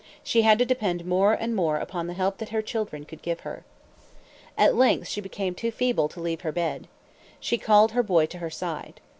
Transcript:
She had to depend more and more upon the help that her children could give her. At length she became too feeble to leave her bed. She called her boy to her side.